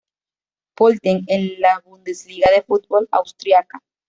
Pölten en la Bundesliga de fútbol austriaca.